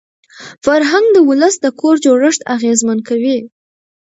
فرهنګ د ولس د کور جوړښت اغېزمن کوي.